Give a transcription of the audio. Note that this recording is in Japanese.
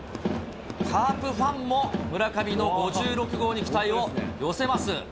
カープファンも村上の５６号に期待を寄せます。